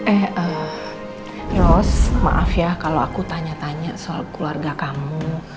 eh ros maaf ya kalau aku tanya tanya soal keluarga kamu